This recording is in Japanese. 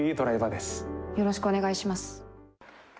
よろしくお願いします。